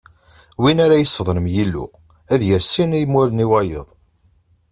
Win ara yesseḍlem Yillu, ad yerr sin n imuren i wayeḍ.